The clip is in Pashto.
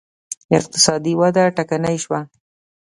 اقتصادي وده ټکنۍ شوه